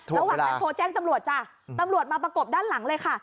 ระหว่างนั้นโทรแจ้งตำรวจจ้ะตำรวจมาประกบด้านหลังเลยค่ะ